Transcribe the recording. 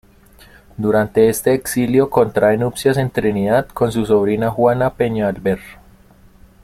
Durante este exilio contrae nupcias en Trinidad con su sobrina Juana Peñalver.